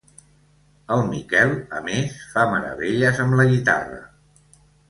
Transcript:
El Miquel, a més, fa meravelles amb la guitarra.